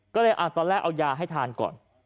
ก็เลยตอนแรกเอายาให้ทานก่อน